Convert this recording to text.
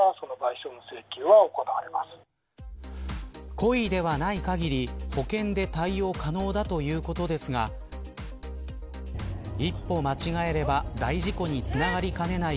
故意ではない限り保険で対応可能だということですが一方間違えれば大事故につながりかねない